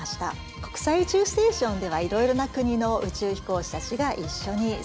国際宇宙ステーションではいろいろな国の宇宙飛行士たちが一緒に生活をしています。